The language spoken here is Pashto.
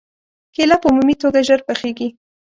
کېله په عمومي توګه ژر پخېږي.